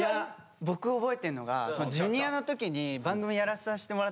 僕覚えてんのがＪｒ．の時に番組やらさせてもらってたじゃないですか。